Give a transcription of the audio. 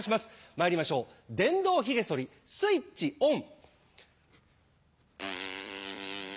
まいりましょう電動ひげ剃りスイッチオン。